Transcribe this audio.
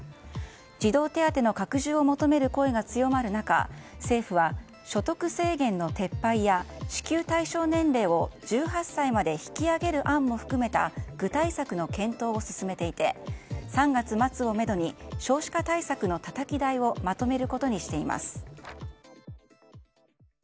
児童手当の拡充を求める声が強まる中政府は、所得制限の撤廃や支給対象年齢を１８歳まで引き上げる案も含めた具体策の検討を進めていて３月末をめどに少子化対策のたたき台をまとめることにしています。